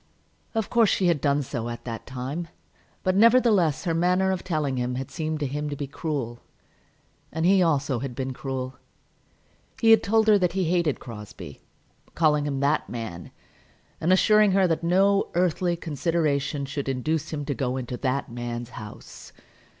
Of course she had done so, at that time; but, nevertheless, her manner of telling him had seemed to him to be cruel. And he also had been cruel. He had told her that he hated Crosbie, calling him "that man," and assuring her that no earthly consideration should induce him to go into "that man's house."